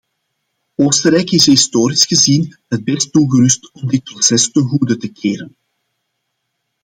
Oostenrijk is historisch gezien het best toegerust om dit proces ten goede te keren.